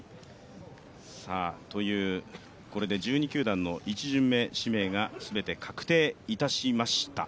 これで１２球団の１巡目指名が全て確定いたしました。